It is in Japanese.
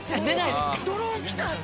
ドローン来た！